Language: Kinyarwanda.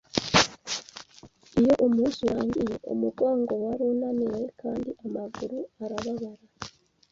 Iyo umunsi urangiye, umugongo wari unaniwe kandi amaguru arababara.